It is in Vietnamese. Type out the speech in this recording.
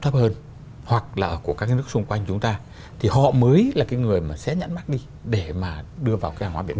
hoặc là của các cái nước xung quanh chúng ta thì họ mới là cái người mà xé nhãn mát đi để mà đưa vào cái hàng hóa việt nam